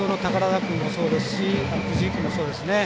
君もそうですし藤井君もそうですね。